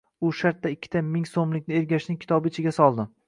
U shartta ikkita ming so‘mlikni Ergashning kitobi ichiga soldi